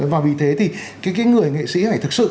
và vì thế thì cái người nghệ sĩ phải thực sự